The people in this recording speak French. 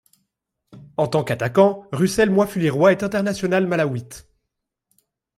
En tant qu'attaquant, Russel Mwafulirwa est international malawite.